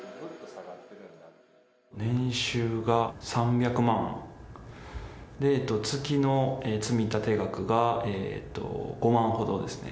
年収が３００万で、月の積み立て額が５万ほどですね。